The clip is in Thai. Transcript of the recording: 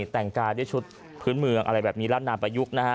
แต่งกายด้วยชุดพื้นเมืองอะไรแบบนี้รัฐนาประยุกต์นะฮะ